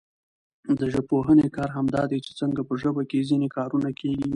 د ژبپوهني کار همدا دئ، چي څنګه په ژبه کښي ځیني کارونه کېږي.